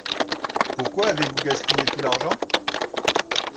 Pourquoi avez-vous gaspillé tout l’argent ?